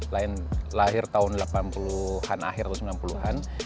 lain lahir tahun delapan puluh an akhir tahun sembilan puluh an